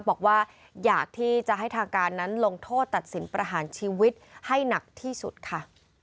บอกว่าอยากที่จะให้ทางการนั้นลงโทษตัดสินประหารชีวิตให้หนักที่สุดค่ะ